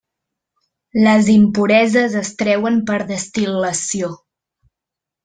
Les impureses es treuen per destil·lació.